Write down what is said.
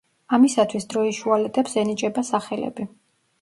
ამისათვის დროის შუალედებს ენიჭება სახელები.